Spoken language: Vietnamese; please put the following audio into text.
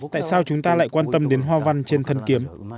tại sao chúng ta lại quan tâm đến hoa văn trên thân kiếm